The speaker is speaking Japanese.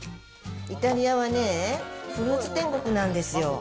イタリアはね、フルーツ天国なんですよ。